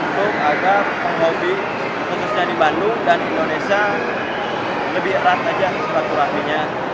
untuk agar penghobi khususnya di bandung dan indonesia lebih erat saja silaturahminya